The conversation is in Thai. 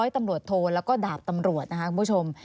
ตำรวจโทแล้วก็ดาบตำรวจนะคะคุณผู้ชม